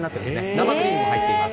生ゼリーも入っています。